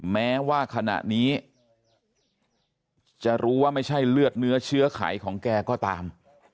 แม้ว่าขณะนี้จะรู้ว่าไม่ใช่เลือดเนื้อเชื้อไขของแกก็ตาม